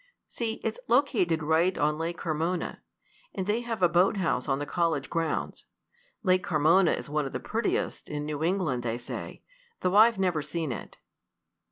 See, it's located right on Lake Carmona, and they have a boathouse on the college grounds. Lake Carmona is one of the prettiest in New England, they say, though I've never seen it."